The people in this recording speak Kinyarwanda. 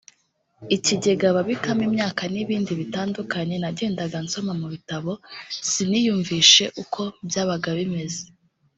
ikigega babikamo imyaka n’ibindi bitandukanye nagendaga nsoma mu bitabo siniyumvishe uko byabaga bimeze